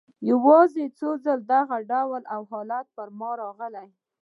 یوازي یو ځلې دغه ډول حالت پر ما راغلی.